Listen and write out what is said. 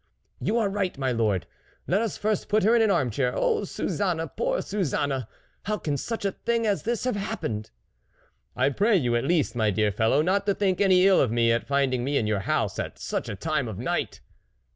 " You are right, my lord ; let us first put her in the armchair. .. Oh Suzanne ! poor Suzanne ! How can such a thing as this have happened ?"" I pray you at least, my dear fellow, not to think any ill of me at finding me in your house at such a time of night